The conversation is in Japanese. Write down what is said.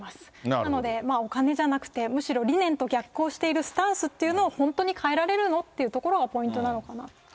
なので、お金じゃなくて、むしろ理念と逆行しているスタンスを、本当に変えられるのっていうのがポイントなのかなと。